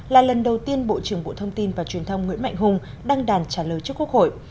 là lần đầu tiên bộ trưởng bộ thông tin và truyền thông nguyễn mạnh hùng đăng đàn trả lời cho quốc hội